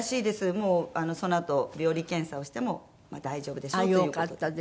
もうそのあと病理検査をしても「大丈夫でしょう」という事で。